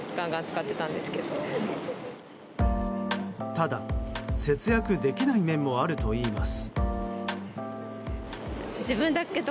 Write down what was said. ただ、節約できない面もあるといいます。